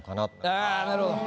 ああなるほど。